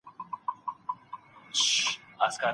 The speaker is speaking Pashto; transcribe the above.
ایا هغه مړ ږدن ډنډ ته نږدې ګاڼه؟